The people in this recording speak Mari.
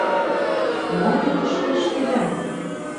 — Мом те тыште ыштеда?